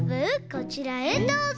こちらへどうぞ。